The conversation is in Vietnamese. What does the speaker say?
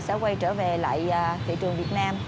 sẽ quay trở về lại thị trường việt nam